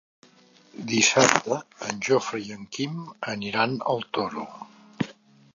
Dissabte en Jofre i en Quim aniran al Toro.